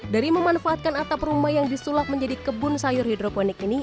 dari memanfaatkan atap rumah yang disulap menjadi kebun sayur hidroponik ini